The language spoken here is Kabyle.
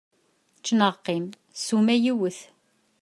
Ečč neɣ qqim, ssuma yiwet.